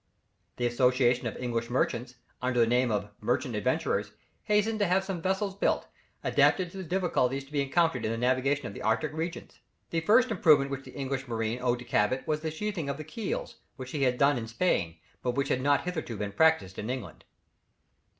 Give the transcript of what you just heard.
The Association of English Merchants, under the name of "Merchant Adventurers," hastened to have some vessels built, adapted to the difficulties to be encountered in the navigation of the Arctic regions. The first improvement which the English marine owed to Cabot was the sheathing of the keels, which he had seen done in Spain, but which had not hitherto been practised in England.